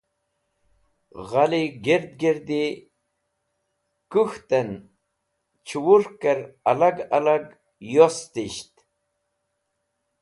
Ghẽlẽ gird girdi kũk̃htẽn chẽwurkvẽr alag alag yostisht.